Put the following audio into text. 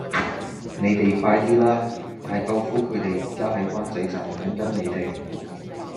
你哋快啲啦!大舅父佢哋而家喺灣仔站等緊你哋